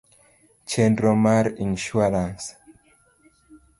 Chenro mar insuarans